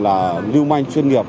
là lưu manh chuyên nghiệp